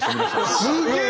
すげえ！